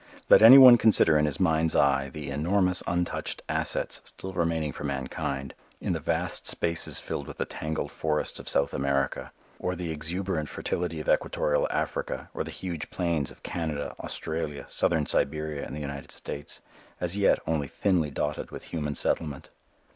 Let any one consider in his mind's eye the enormous untouched assets still remaining for mankind in the vast spaces filled with the tangled forests of South America, or the exuberant fertility of equatorial Africa or the huge plains of Canada, Australia, Southern Siberia and the United States, as yet only thinly dotted with human settlement.